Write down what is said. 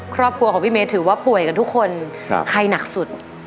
ครอบครัวของพี่เมย์ถือว่าป่วยกันทุกคนไข้หนักสุด